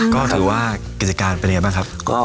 ก็ถือว่ากิจการเป็นยังไงบ้างครับ